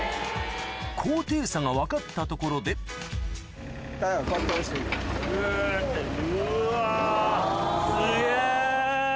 高低差が分かったところでグってうわすげぇ！